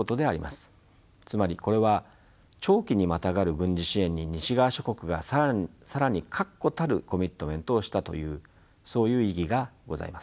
つまりこれは長期にまたがる軍事支援に西側諸国が更に確固たるコミットメントをしたというそういう意義がございます。